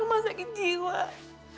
tante jangan tante bosan ya